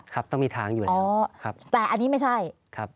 ครับต้องมีทางอยู่แล้วอ๋อครับแต่อันนี้ไม่ใช่ครับ